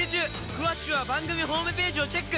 詳しくは番組ホームページをチェック！